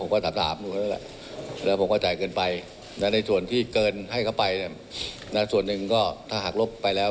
บ้านท่านนายก็มีสุนัขอยู่แล้ว